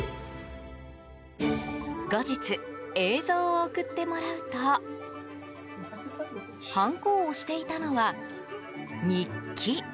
後日、映像を送ってもらうとハンコを押していたのは日記。